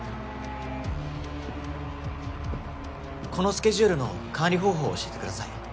このスケジュールの管理方法を教えてください。